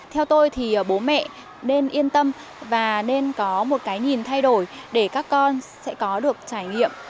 theo tôi thì bố mẹ nên yên tâm và nên có một cái nhìn thay đổi để các con sẽ có được trải nghiệm